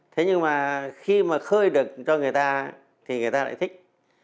thế nhưng mà khi mà khơi được cho người ta thì người ta lại thích